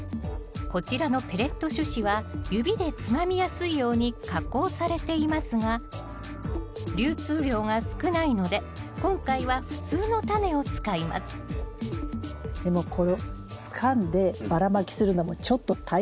こちらのペレット種子は指でつまみやすいように加工されていますが流通量が少ないので今回は普通のタネを使いますでもこれをつかんでばらまきするのもちょっと大変そう。